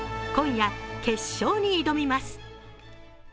今夜、決勝に挑みます。